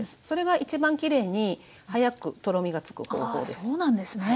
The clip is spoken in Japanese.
それが一番きれいに早くとろみがつく方法です。